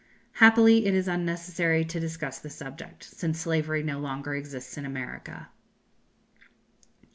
Happily it is unnecessary to discuss the subject, since slavery no longer exists in America.